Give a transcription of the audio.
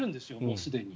すでに。